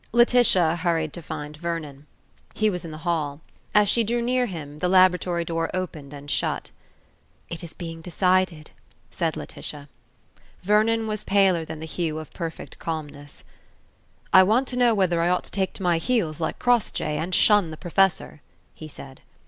Laetitia hurried to find Vernon. He was in the hall. As she drew near him, the laboratory door opened and shut. "It is being decided," said Laetitia. Vernon was paler than the hue of perfect calmness. "I want to know whether I ought to take to my heels like Crossjay, and shun the Professor," he said.